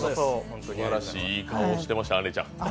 すばらしい、いい顔をしていました、あんりちゃん。